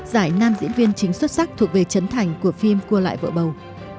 giải nam diễn viên chính xuất sắc thuộc về trấn thành của phim cua lại vợ bầu